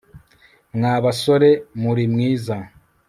Mwa basore murimwiza